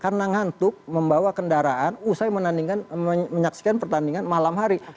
karena ngantuk membawa kendaraan usai menyaksikan pertandingan malam hari